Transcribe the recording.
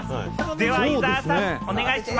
では伊沢さん、お願いします。